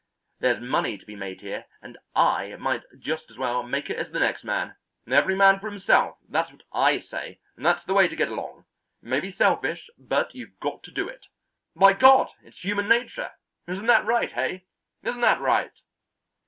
There's money to be made here and I might just as well make it as the next man. Every man for himself, that's what I say; that's the way to get along. It may be selfish, but you've got to do it. By God! it's human nature. Isn't that right, hey? Isn't that right?"